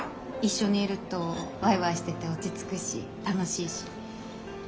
一緒にいるとわいわいしてて落ち着くし楽しいし。